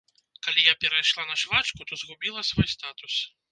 Калі я перайшла на швачку, то згубіла свой статус.